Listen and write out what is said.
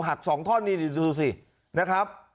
หัก๒ท่อนนี้ดิดูสินะครับ